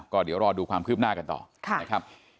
ก็เดี๋ยวรอดูความคืบหน้ากันต่อ